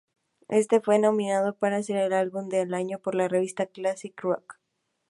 Este fue nominado para ser el álbum del año por la revista Classic Rock.